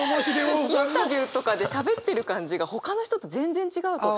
インタビューとかでしゃべってる感じがほかの人と全然違うと。